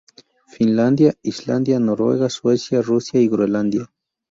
Finlandia, Islandia, Noruega, Suecia, Rusia y Groenlandia.